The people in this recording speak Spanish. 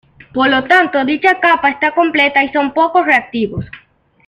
Por lo tanto, dicha capa está completa y son poco reactivos.